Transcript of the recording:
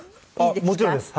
あっもちろんです。